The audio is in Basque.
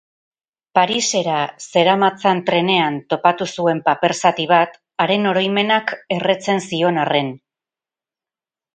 Parisera zeramatzan trenean topatu zuen paper zati haren oroimenak erretzen zion arren.